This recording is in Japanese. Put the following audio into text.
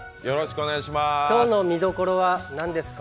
今日の見どころは何ですか？